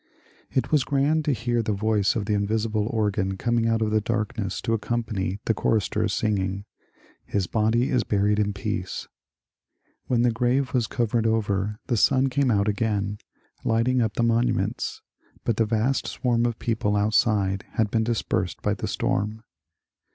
It was grand to hear the voice of the invisible organ coming out of the darkness to ac company the choristers singing ^^ His body is buried in peace." When the grave was covered over the sun came out again, lighting up the monuments, but the vast swarm of people outside had been dispersed by the storm.